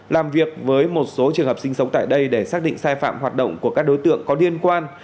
làm việc với một số trường hợp sinh sống tại đây để xác định sai phạm hoạt động của các đối tượng có liên quan